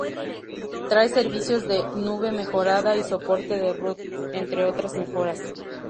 Trae servicios de nube mejorada y soporte de root, entre otras mejoras.